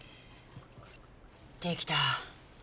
できた。